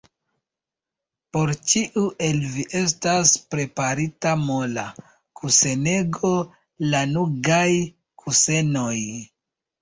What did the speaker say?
Por ĉiu el vi estas preparita mola kusenego, lanugaj kusenoj!